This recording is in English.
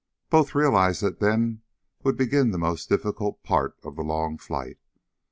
Both realized that then would begin the most difficult part of the long flight.